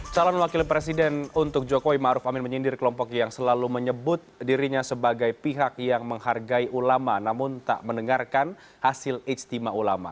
calon wakil presiden untuk jokowi ⁇ maruf ⁇ amin menyindir kelompok yang selalu menyebut dirinya sebagai pihak yang menghargai ulama namun tak mendengarkan hasil istimewa ulama